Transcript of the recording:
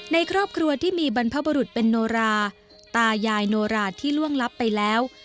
ในครอบครัวที่มีบรรพบุรุษเป็นโนราตายายโนราที่ล่วงลับไปแล้ว